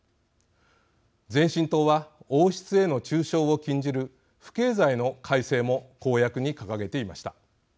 前進党は王室への中傷を禁じる不敬罪の改正も公約に掲げていました。